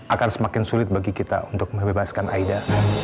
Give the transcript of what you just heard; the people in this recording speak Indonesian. akan semakin sulit bagi kita untuk membebaskan aida